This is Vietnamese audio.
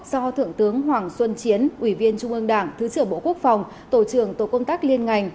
do thượng tướng hoàng xuân chiến ủy viên trung ương đảng thứ trưởng bộ quốc phòng tổ trưởng tổ công tác liên ngành